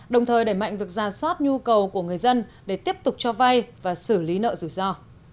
đồng thời đẩy mạnh việc ra soát nhu cầu của người dân để tiếp tục cho vay và xử lý nợ rủi ro